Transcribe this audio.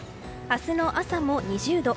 明日の朝も２０度。